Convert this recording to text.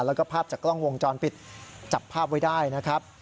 แล้วก็ภาพจากกล้องวงจรปิดจับภาพไว้ได้นะครับ